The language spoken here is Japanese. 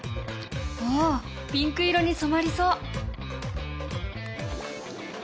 おおピンク色にそまりそう。